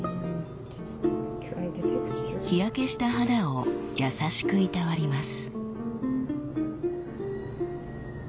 日焼けした肌を優しくいたわります。